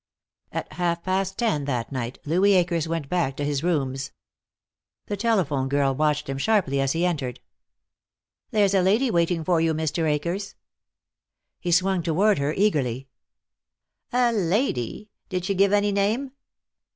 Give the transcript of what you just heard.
At half past ten that night Louis Akers went back to his rooms. The telephone girl watched him sharply as he entered. "There's a lady waiting for you, Mr. Akers." He swung toward her eagerly. "A lady? Did she give any name?"